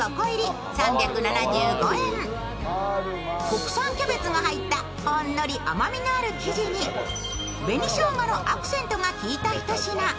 国産キャベツが入った、ほんのり甘みのある生地に、紅しょうがのアクセントがきいたひと品。